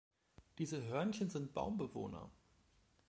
Diese Hörnchen sind Baumbewohner.